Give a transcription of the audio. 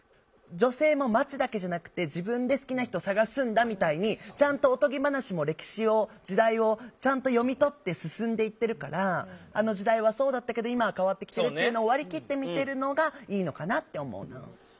女性も待つだけじゃなくて自分で好きな人を探すんだみたいにおとぎ話も歴史を時代をちゃんと読み取って進んでいってるからあの時代はそうだったけど今は変わってきてるっていうのを割り切って見てるのがいいのかなって思うなぁ。